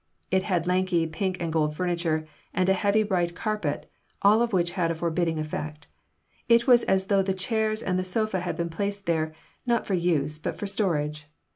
It had lanky pink and gold furniture and a heavy bright carpet, all of which had a forbidding effect. It was as though the chairs and the sofa had been placed there, not for use, but for storage.